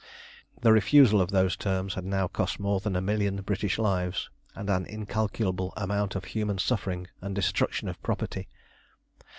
The refusal of those terms had now cost more than a million British lives, and an incalculable amount of human suffering and destruction of property.